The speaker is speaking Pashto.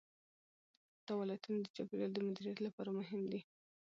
دا ولایتونه د چاپیریال د مدیریت لپاره مهم دي.